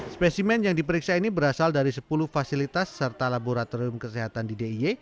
spesimen yang diperiksa ini berasal dari sepuluh fasilitas serta laboratorium kesehatan di diy